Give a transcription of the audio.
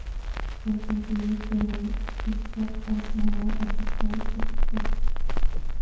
El canciller peruano Isaac Alzamora aceptó dicha propuesta.